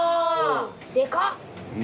でかっ。